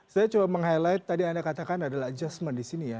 saya coba meng highlight tadi anda katakan adalah adjustment di sini ya